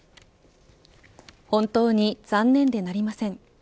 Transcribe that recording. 本当に残念でなりません。